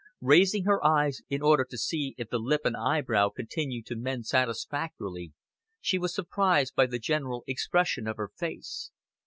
Raising her eyes in order to see if the lip and eyebrow continued to mend satisfactorily, she was surprised by the general expression of her face.